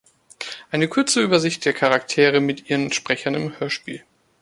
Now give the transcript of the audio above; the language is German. Eine kurze Übersicht der Charaktere mit ihren Sprechern im Hörspiel.